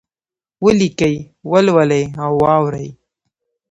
ولیکئ، ولولئ او واورئ!